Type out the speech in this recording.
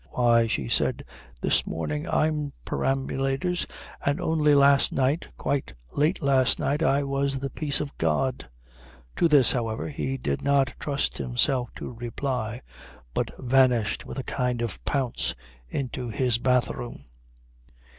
"Why," she said, "this morning I'm perambulators and only last night, quite late last night, I was the peace of God." To this, however, he did not trust himself to reply, but vanished with a kind of pounce into his bathroom.